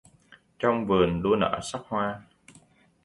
Trong vườn đua nở sắc hoa